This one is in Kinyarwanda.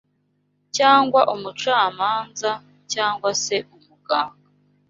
cyangwa umucamanza cyangwa se umuganga